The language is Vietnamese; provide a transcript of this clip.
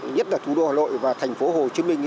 nhất là thủ đô hà nội và thành phố hồ chí minh